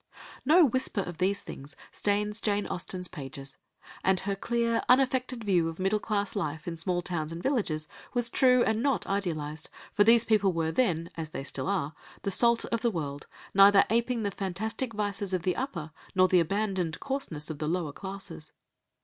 _) No whisper of these things stains Jane Austen's pages. And her clear, unaffected view of middle class life in small towns and villages was true and not idealised, for these people were then, as they still are, the salt of the world, neither apeing the fantastic vices of the upper, nor the abandoned coarseness of the lower classes.